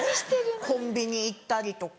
コンビニ行ったりとか。